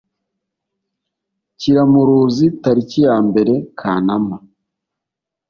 kiramuruzi tariki ya mbere kanama